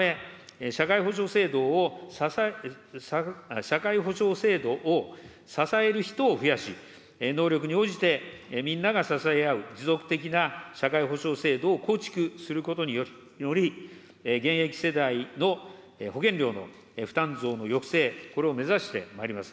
このため社会保障制度を支える人を増やし、能力に応じてみんなが支え合う持続的な社会保障制度を構築することにより、現役世代の保険料の負担増の抑制、これを目指してまいります。